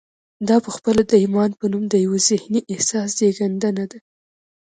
دا پخپله د ایمان په نوم د یوه ذهني احساس زېږنده ده